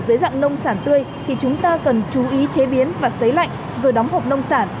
nếu xuất khẩu dễ dàng nông sản tươi thì chúng ta cần chú ý chế biến và xế lạnh rồi đóng hộp nông sản